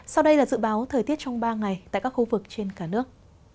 sau đây là dự báo thời tiết trong ba ngày tại các khu vực trên cả nước